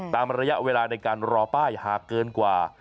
ตามระยะเวลาในการรอป้ายหากเกินกว่า